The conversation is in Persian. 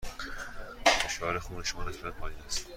فشار خون شما نسبتاً پایین است.